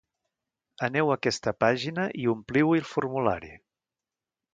Aneu a aquesta pàgina i ompliu-hi el formulari.